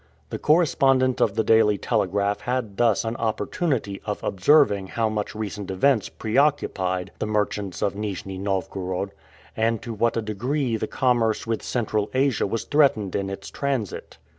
The correspondent of the Daily Telegraph had thus an opportunity of observing how much recent events preoccupied the merchants of Nijni Novgorod, and to what a degree the commerce with Central Asia was threatened in its transit.